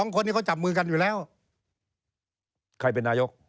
คนนี้เขาจับมือกันอยู่แล้วใครเป็นนายก